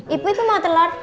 ibu itu mau telur